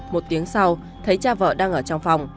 một tiếng sau thấy cha vợ đang ở trong phòng